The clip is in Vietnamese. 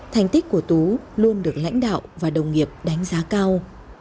thành tích của tú luôn được lãnh đạo và đồng nghiệp đánh giá cao